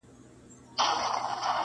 له منظور پښتین سره دي -